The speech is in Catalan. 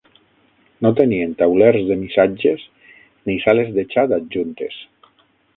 No tenien taulers de missatges ni sales de xat adjuntes.